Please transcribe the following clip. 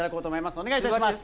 お願いいたします。